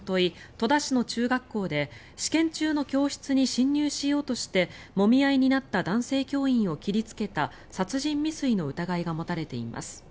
戸田市の中学校で試験中の教室に侵入しようとしてもみ合いになった男性教員を切りつけた殺人未遂の疑いが持たれています。